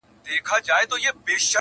زه غریب د جانان میني له پخوا وژلی ومه-